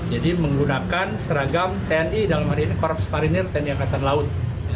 jadi menggunakan seragam tni dalam hal ini korps marinir tni angkatan laut